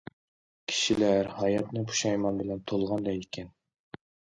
كىشىلەر ھاياتنى پۇشايمان بىلەن تولغان دەيدىكەن.